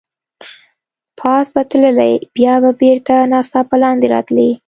پاس به تللې، بیا به بېرته ناڅاپه لاندې راتلې.